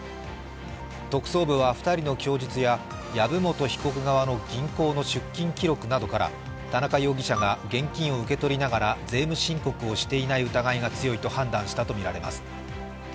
特捜部は２人の供述や籔本被告側の銀行の出金記録などから田中容疑者が現金を受け取りながら税務申告をしていない疑いが強いと判断したとみられます。